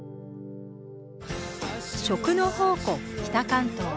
「食の宝庫・北関東」。